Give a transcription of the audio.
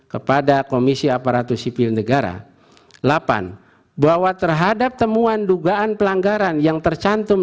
kepada komisi aparatur sipil negara delapan bahwa terhadap temuan dugaan pelanggaran yang tercantum